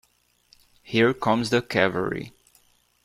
Here comes the cavalry.